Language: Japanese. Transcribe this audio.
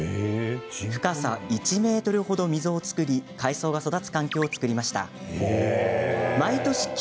深さ１ｍほど溝を作り海藻が育つ環境を作ったのです。